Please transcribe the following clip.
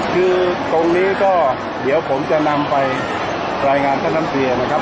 คือตรงนี้ก็เดี๋ยวผมจะนำไปรายงานท่านน้ำตรีนะครับ